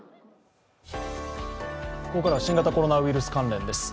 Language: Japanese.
ここからは新型コロナウイルス関連です。